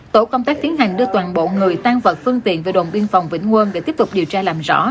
tổ công tác tiến hành đưa toàn bộ người tan vật phương tiện về đồn biên phòng vĩnh quân để tiếp tục điều tra làm rõ